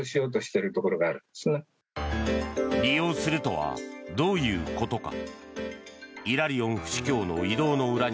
利用するとはどういうことか。